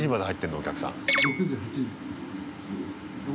お客さん。